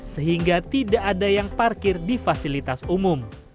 sehingga tidak ada yang parkir di fasilitas umum